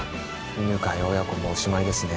犬飼親子もおしまいですね。